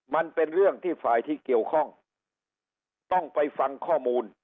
มันเป็นเรื่องที่ฝ่ายที่เกี่ยวข้องต้องไปฟังข้อมูล